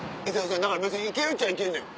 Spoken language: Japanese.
だから別に行けるっちゃ行けんのよ。